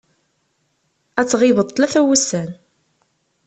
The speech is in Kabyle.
Ad tɣibeḍ tlata n wussan.